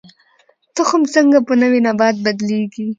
تخم څنګه په نوي نبات بدلیږي؟